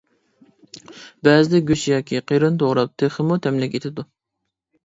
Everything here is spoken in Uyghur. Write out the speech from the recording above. بەزىدە گۆش، ياكى قېرىن توغراپ تېخىمۇ تەملىك ئېتىدۇ.